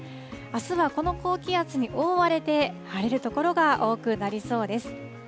あすはこの高気圧に覆われて、晴れる所が多くなりそうです。